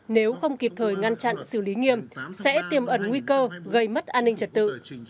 nếu không kịp thời ngăn chặn xử lý nghiêm sẽ tiêm ẩn nguy cơ gây mất an ninh trật tự